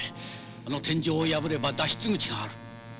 あの天井を破れば脱出口がある。